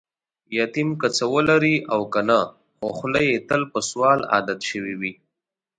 یتیم که څه ولري او کنه، خوخوله یې تل په سوال عادت شوې وي.